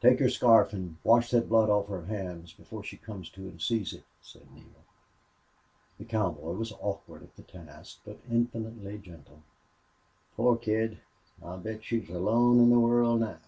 "Take your scarf and wash that blood off her hands before she comes to and sees it," said Neale. The cowboy was awkward at the task, but infinitely gentle. "Poor kid! I'll bet she's alone in the world now."